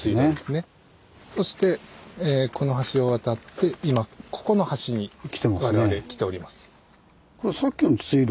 そしてこの橋を渡って今ここの橋に我々来ております。